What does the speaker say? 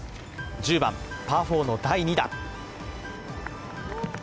１０番・パー４の第２打。